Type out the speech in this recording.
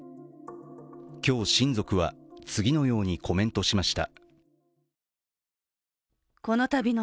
今日、親族は次のようにコメントしました。